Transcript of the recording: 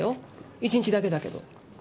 １日だけだけど。